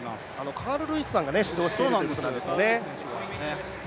カール・ルイスさんが指導しているということなんですよね。